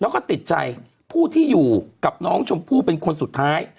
แล้วก็ติดใจผู้ที่อยู่กับน้องชมพู่เป็นคนสุดท้าย